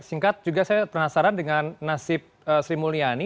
singkat juga saya penasaran dengan nasib sri mulyani